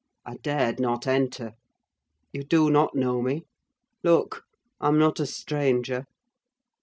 I dared not enter. You do not know me? Look, I'm not a stranger!"